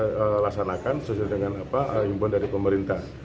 kita laksanakan sesuai dengan imbuan dari pemerintah